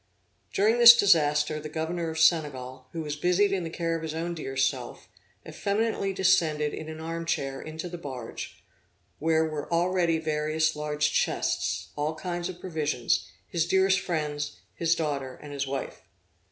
During this disaster, the governor of Senegal, who was busied in the care of his own dear self, effeminately descended in an arm chair into the barge, where were already various large chests, all kinds of provisions, his dearest friends, his daughters and his wife.